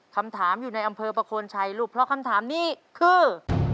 คำถามอยู่ในอำเภอประโคนชัยลูกเพราะคำถามนี้คือ